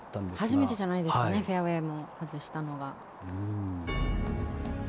初めてじゃないですかねフェアウェーも外したのが。